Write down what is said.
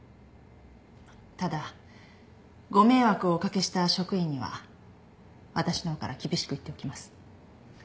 ただご迷惑をおかけした職員には私の方から厳しく言っておきます。